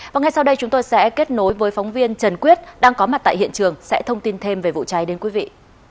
và ngay sau đây chúng tôi sẽ kết nối với phóng viên trần quyết đang có mặt tại hiện trường sẽ thông tin thêm về vụ cháy đến quý vị